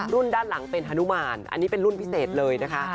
ด้านหลังเป็นฮานุมานอันนี้เป็นรุ่นพิเศษเลยนะคะ